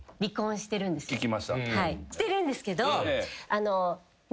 してるんですけどあの。